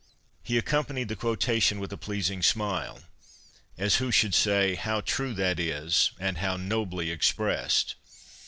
' He accompanied the quotation with a pleasing smile, as who should say, ' How true that is and how nobly expressed